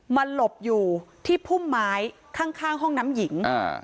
มาหลบอยู่ที่พุ่มไม้ข้างข้างห้องน้ำหญิงอ่า